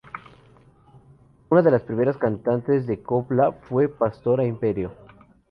Una de las primeras cantantes de copla fue Pastora Imperio.